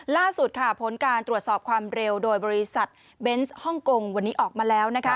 ล่าสุดค่ะผลการตรวจสอบความเร็วโดยบริษัทเบนส์ฮ่องกงวันนี้ออกมาแล้วนะคะ